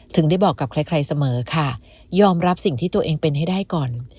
ได้บอกกับใครเสมอค่ะยอมรับสิ่งที่ตัวเองเป็นให้ได้ก่อน